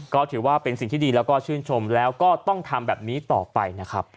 ก็ถือว่าเป็นสิ่งที่ดีแล้วก็ชื่นชมแล้วก็ต้องทำแบบนี้ต่อไปนะครับ